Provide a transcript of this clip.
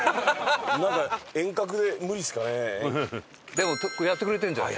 でもやってくれてるんじゃない？